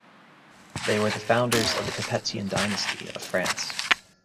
They were the founders of the Capetian dynasty of France.